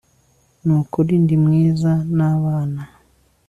Nukuri ndi mwiza nabana